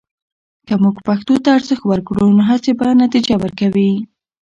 که موږ پښتو ته ارزښت ورکړو، نو هڅې به نتیجه ورکوي.